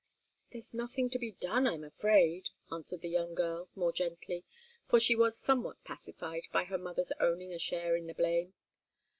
"There's nothing to be done, I'm afraid," answered the young girl, more gently, for she was somewhat pacified by her mother's owning a share in the blame.